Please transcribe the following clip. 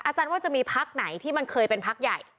อาจารย์ว่าจะมีพักไหนที่มันเคยเป็นพักใหญ่